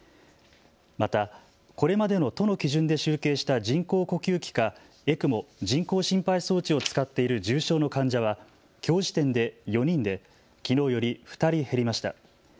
またこれまでの都の基準で集計した人工呼吸器かＥＣＭＯ・人工心肺装置を使っている重症の患者はきょう時点で４人できのうより２人減りました。